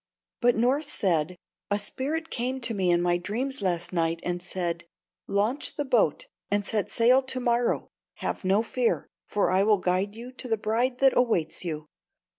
But Norss said, "A spirit came to me in my dreams last night and said, 'Launch the boat and set sail to morrow. Have no fear; for I will guide you to the bride that awaits you.'